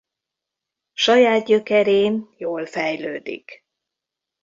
Saját gyökerén jól fejlődik.